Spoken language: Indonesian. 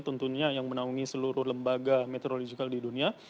tentunya yang menanggungi seluruh lembaga meteorologi di dunia